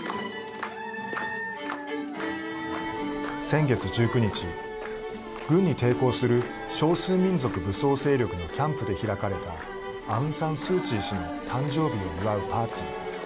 先月１９日軍に抵抗する少数民族武装勢力のキャンプで開かれたアウン・サン・スー・チー氏の誕生日を祝うパーティー。